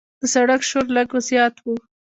د سړک شور لږ زیات و.